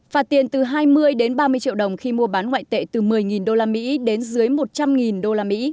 phạt tiền từ hai mươi đến ba mươi triệu đồng khi mua bán ngoại tệ từ một mươi usd đến dưới một trăm linh usd